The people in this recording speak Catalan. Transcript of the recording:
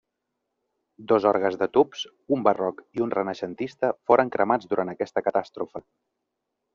Dos orgues de tubs, un barroc i un renaixentista, foren cremats durant aquesta catàstrofe.